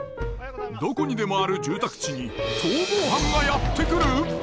どこにでもある住宅地に逃亡犯がやって来る！？